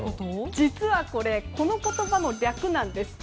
実は、これこの言葉の略なんです。